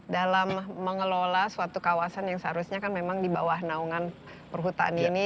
dalam mengelola suatu kawasan yang seharusnya kan memang di bawah naungan perhutani ini